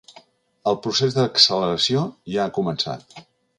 El procés d’acceleració ja ha començat.